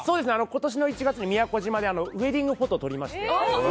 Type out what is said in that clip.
ことしの１月に、宮古島でウエディングフォト撮りまして。